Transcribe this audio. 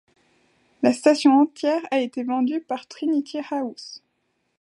La station entière a été vendue par Trinity House.